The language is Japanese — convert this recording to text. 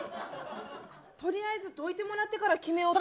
取りあえずどいてもらってから決めようと。